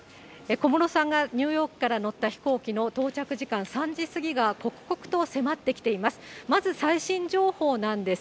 小室さんがニューヨークから乗った飛行機の到着時間、３時過ぎが刻々と迫ってきています。